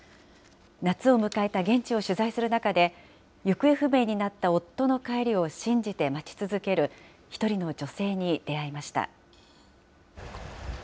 夏を迎えた現地を取材する中で、行方不明になった夫の帰りを信じて待ち続ける１人の女性に出会い